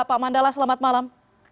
pak mandala selamat malam